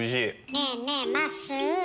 ねぇねぇまっすー！